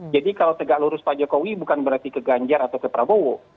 kalau tegak lurus pak jokowi bukan berarti ke ganjar atau ke prabowo